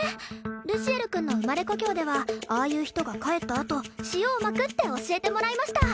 ルシエル君の生まれ故郷ではああいう人が帰ったあと塩をまくって教えてもらいました